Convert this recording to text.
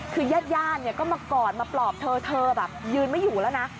คือญาติญาติก็มากอดมาปลอบเธอเธอแบบยืนไม่อยู่แล้วนะ